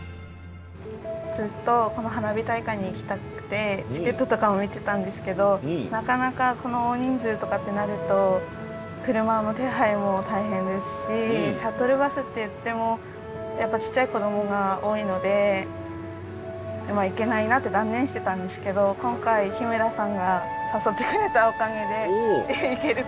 ずっとこの花火大会に行きたくてチケットとかも見てたんですけどなかなかこの大人数とかってなると車の手配も大変ですしシャトルバスっていってもやっぱちっちゃい子どもが多いので行けないなって断念してたんですけどわあうれしい。